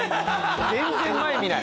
全然前見ない。